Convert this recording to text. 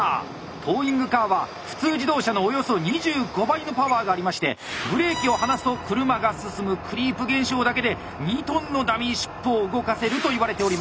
トーイングカーは普通自動車のおよそ２５倍のパワーがありましてブレーキを離すと車が進むクリープ現象だけで２トンのダミーシップを動かせるといわれております。